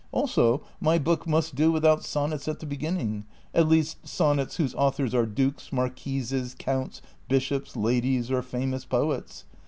Also my book must do without son nets at the beginning, at least sonnets whose authors are dukes, marquises, counts, bishops, ladies, or famous poets.